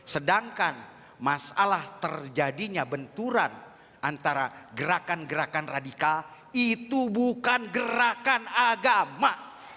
sedangkan masalah terjadinya benturan antara gerakan gerakan radikal itu bukan gerakan agama